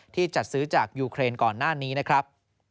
จัดซื้อจากยูเครนก่อนหน้านี้นะครับ